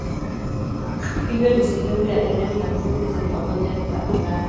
Hivyo si sehemu ya eneo la kodi za pamoja la Ulaya.